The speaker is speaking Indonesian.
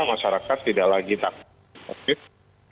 masyarakat tidak lagi takut covid sembilan belas